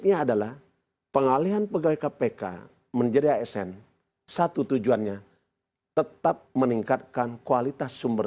jadi pengalian pegawai kpk menjadi asn satu tujuannya tetap meningkatkan kualitas sumber